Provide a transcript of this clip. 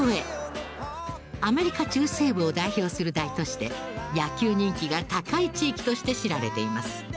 アメリカ中西部を代表する大都市で野球人気が高い地域として知られています。